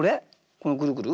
このぐるぐる？